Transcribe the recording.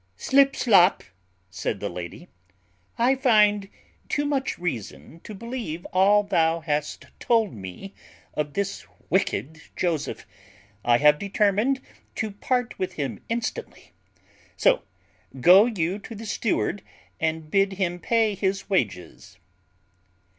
_ "Slipslop," said the lady, "I find too much reason to believe all thou hast told me of this wicked Joseph; I have determined to part with him instantly; so go you to the steward, and bid him pay his wages."